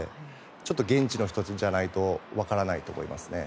ちょっと現地の人じゃないと分からないと思いますね。